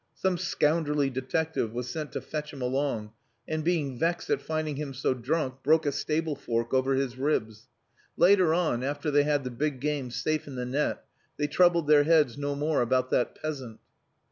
Some scoundrelly detective was sent to fetch him along, and being vexed at finding him so drunk broke a stable fork over his ribs. Later on, after they had the big game safe in the net, they troubled their heads no more about that peasant."